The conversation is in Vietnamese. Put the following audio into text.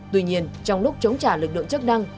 tuy nhiên trong lúc chống trả lực lượng chức năng